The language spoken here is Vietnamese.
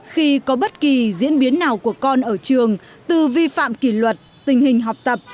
khi có bất kỳ diễn biến nào của con ở trường từ vi phạm kỷ luật tình hình học tập